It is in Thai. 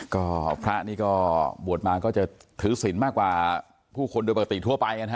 ก็พระนี่ก็บวชมาก็จะถือศิลป์มากกว่าผู้คนโดยปกติทั่วไปนะฮะ